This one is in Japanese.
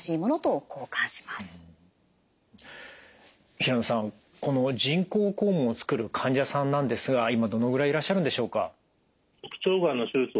平能さんこの人工肛門をつける患者さんなんですが今どのぐらいいらっしゃるんでしょうか？